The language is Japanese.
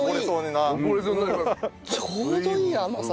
ちょうどいい甘さだわ。